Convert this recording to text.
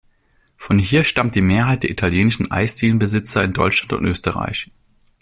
Von hier stammt die Mehrheit der italienischen Eisdielen-Besitzer in Deutschland und Österreich.